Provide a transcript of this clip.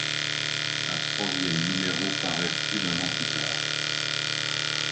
Un troisième numéro parait plus d'un an plus tard.